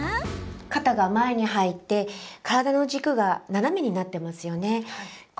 肩が前に入って体の軸が斜めになっていますよね。